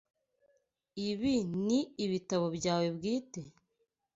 Ibi nibitabo byawe bwite?